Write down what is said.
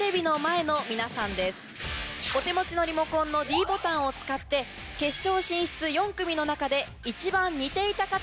お手持ちのリモコンのｄボタンを使って決勝進出４組の中で。